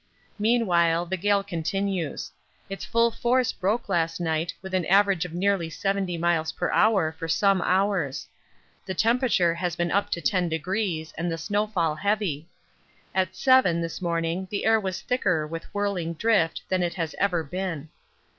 Meanwhile the gale continues. Its full force broke last night with an average of nearly 70 m.p.h. for some hours: the temperature has been up to 10° and the snowfall heavy. At seven this morning the air was thicker with whirling drift than it has ever been.